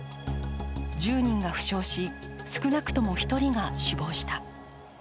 １０人が負傷し、少なくとも１人が死亡した。